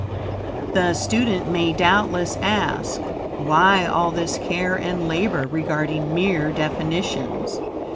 The student may doubtless ask, why all this care and labor regarding mere definitions?